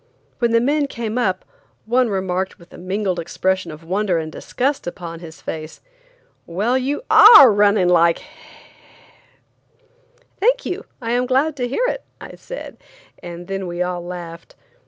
When the men came up, one remarked, with a mingled expression of wonder and disgust upon his face: "Well, you ARE running like h–!" "Thank you; I am glad to hear it," I said, and then we all laughed.